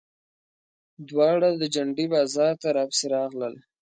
دواړه د جنډې بازار ته راپسې راغلل.